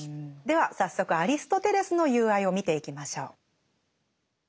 では早速アリストテレスの「友愛」を見ていきましょう。